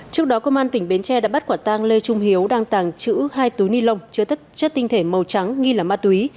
trước đó công an tỉnh bến tre đã bắt quả tang lê trung hiếu đang tàng trữ hai túi ni lông chứa chất tinh thể màu trắng nghi là ma túy